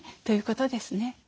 ということですね。